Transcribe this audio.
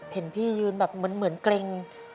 เห็นพี่ยืนแบบเหมือนเกร็ง